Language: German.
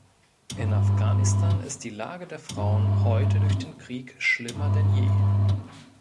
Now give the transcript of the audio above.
In Afghanistan ist die Lage der Frauen heute durch den Krieg schlimmer denn je.